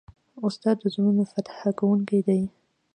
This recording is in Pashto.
استاد د زړونو فتح کوونکی دی.